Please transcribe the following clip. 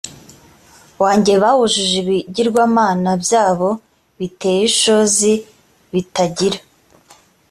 wanjye bawujuje ibigirwamana byabo biteye ishozi bitagira